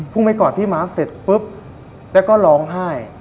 พุ่งไปกอดพี่มาร์คเสร็จปุ๊บแล้วก็ร้องไห้